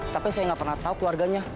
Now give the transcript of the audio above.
tapi saya nggak pernah tahu keluarganya